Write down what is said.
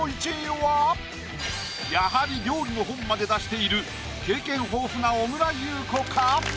やはり料理の本まで出している経験豊富な小倉優子か？